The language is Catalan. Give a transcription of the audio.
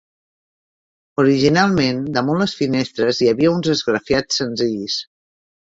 Originalment, damunt les finestres hi havia uns esgrafiats senzills.